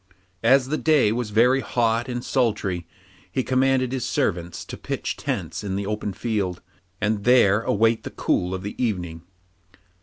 As the day was very hot and sultry he commanded his servants to pitch tents in the open field, and there await the cool of the evening.